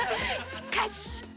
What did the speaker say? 「しかし」